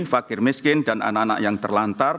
fakir miskin dan anak anak yang terlantar